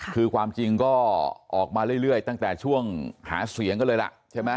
คือความจริงก็ออกมาเรื่อยตั้งแต่ช่วงหาเสียงกันเลยล่ะใช่ไหม